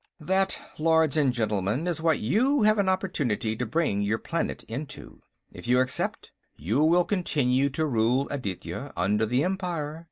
"That, Lords and Gentlemen, is what you have an opportunity to bring your planet into. If you accept, you will continue to rule Aditya under the Empire.